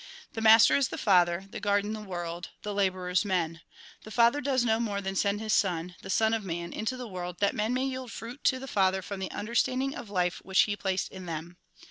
(The master is the Father; the garden; the world ; the labourers, men. The Father does no more than send His Son, the Son of Man, into the world, that men may yield fruit to the Father from the understanding of life which He placed in them.)